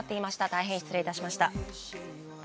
大変失礼いたしました。